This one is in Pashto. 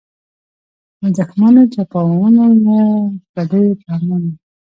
له دښمنو چپاوونو له بدیو په امان وي.